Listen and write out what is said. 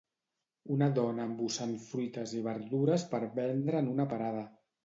una dona embossant fruites i verdures per vendre en una parada